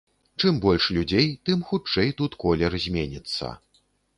Чым больш людзей, тым хутчэй тут колер зменіцца.